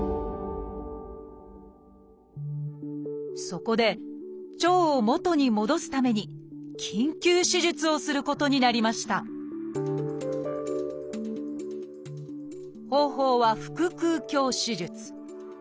そこで腸を元に戻すために緊急手術をすることになりました方法は腹腔鏡手術。